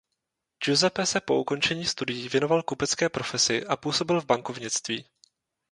Giuseppe se po ukončení studií věnoval kupecké profesi a působil v bankovnictví.